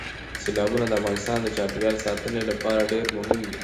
سیلابونه د افغانستان د چاپیریال ساتنې لپاره ډېر مهم دي.